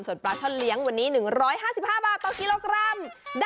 ส่วนปลาช่อนเลี้ยงวันนี้๑๕๕บาทต่อกิโลกรัม